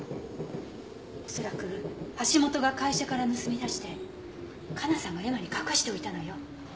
恐らく橋本が会社から盗み出して加奈さんが絵馬に隠しておいたのよ。